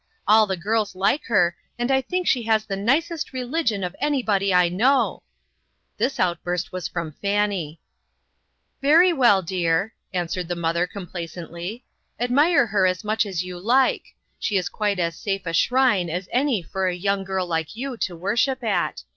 All the girls like her, and I think she has the nicest religion of any body I know !" This outburst was from Fannie. "Very well, dear," answered the mother complacently; "admire her as much as you like. She is quite as safe a shrine as any for a young girl like you to worship at.